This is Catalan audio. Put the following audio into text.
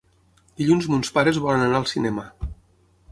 Dilluns mons pares volen anar al cinema.